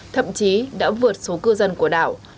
thậm chí đã vượt số cư dân của đảo